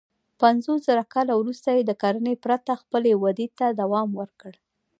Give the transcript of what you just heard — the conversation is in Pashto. پنځوسزره کاله وروسته یې د کرنې پرته خپلې ودې ته دوام ورکړ.